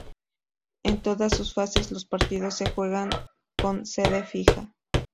En todas sus fases los partidos se juegan con sede fija.